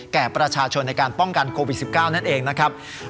แก่ประชาชนในการป้องกันโควิด๑๙นั่นเองนะครับ